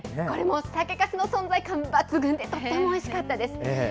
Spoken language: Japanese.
これも酒かすの存在感抜群で、とてもおいしかったです。